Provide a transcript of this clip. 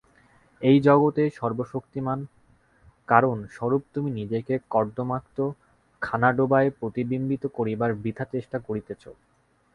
এই জগতের সর্বশক্তিমান কারণ-স্বরূপ তুমি নিজেকে কর্দমাক্ত খানাডোবায় প্রতিবিম্বিত করিবার বৃথা চেষ্টা করিতেছ।